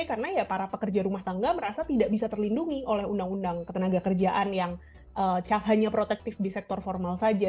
karena ya para pekerja rumah tangga merasa tidak bisa terlindungi oleh undang undang ketenaga kerjaan yang hanya protektif di sektor formal saja